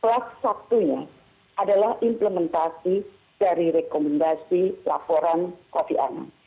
plus satunya adalah implementasi dari rekomendasi laporan kopi anam